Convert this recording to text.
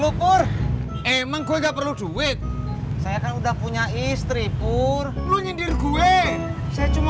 saya dulu pur emang gue nggak perlu duit saya kan udah punya istri pur lu nyendir gue saya